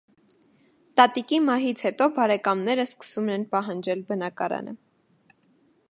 Տատիկի մահից հետո բարեկամները սկսում են պահանջել բնակարանը։